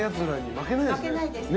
負けないです。